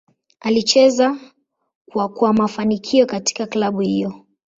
Alicheza kwa kwa mafanikio katika klabu hiyo.